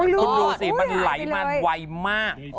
คุณดูสิมันไหลมาไวมาก